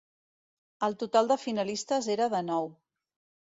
El total de finalistes era de nou.